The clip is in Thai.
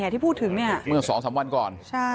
ที่พูดถึงเมื่อสองสามวันก่อน